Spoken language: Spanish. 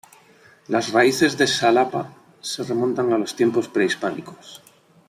Las raíces de Xalapa se remontan a los tiempos prehispánicos.